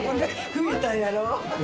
増えたやろ？